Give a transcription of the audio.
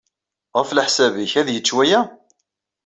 Ɣef leḥsab-nnek, ad yečč waya?